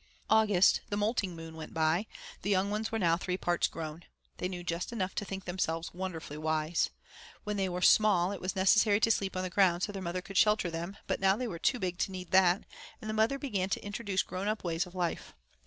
August, the Molting Moon, went by; the young ones were now three parts grown. They knew just enough to think themselves wonderfully wise. When they were small it was necessary to sleep on the ground so their mother could shelter them, but now they were too big to need that, and the mother began to introduce grownup ways of life.